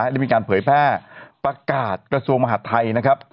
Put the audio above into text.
ได้มีการเผยแพร่ประกาศกระทรวงมหาดไทยนะครับ